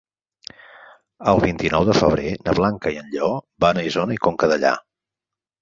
El vint-i-nou de febrer na Blanca i en Lleó van a Isona i Conca Dellà.